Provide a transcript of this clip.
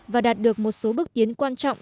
và đạt được một số bước tiến quan trọng